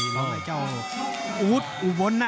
สุปเปอร์ไอ้เจ้าอุดอุบลน่ะ